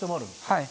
はい。